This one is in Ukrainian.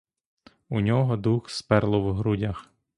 У нього дух сперло в грудях.